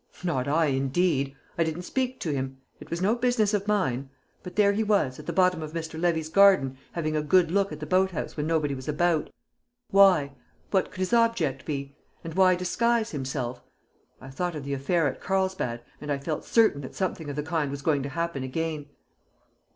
"Not I, indeed! I didn't speak to him; it was no business of mine. But there he was, at the bottom of Mr. Levy's garden, having a good look at the boathouse when nobody was about. Why? What could his object be? And why disguise himself? I thought of the affair at Carlsbad, and I felt certain that something of the kind was going to happen again!"